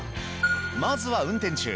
まずは運転中。